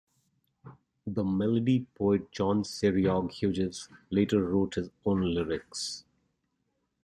The melody Poet John Ceiriog Hughes later wrote his own lyrics.